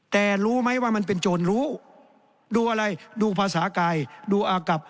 แต่รู้ไหมว่ามันเป็นโจรรู้ดูอะไรดูภาษากายดูอากับ